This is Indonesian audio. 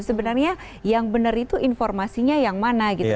sebenarnya yang benar itu informasinya yang mana gitu